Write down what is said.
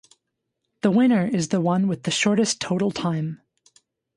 The winner is the one with the shortest total time.